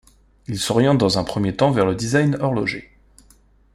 Il s’oriente dans un premier temps vers le design horloger.